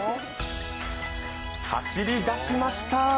走り出しました。